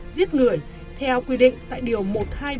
giết người theo quy định tại điều một trăm hai mươi ba bộ luật hình sự